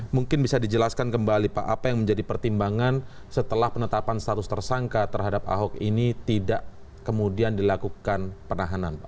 mungkin bisa dijelaskan kembali pak apa yang menjadi pertimbangan setelah penetapan status tersangka terhadap ahok ini tidak kemudian dilakukan penahanan